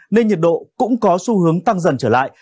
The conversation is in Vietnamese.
nên nhiệt độ cũng có xu hướng tăng dần trở lại